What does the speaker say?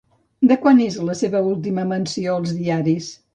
De quan és la seva última menció als diaris?